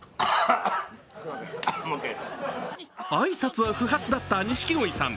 挨拶は不発だった錦鯉さん。